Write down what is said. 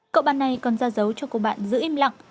cậu bạn này còn ra dấu cho cô bạn giữ im lặng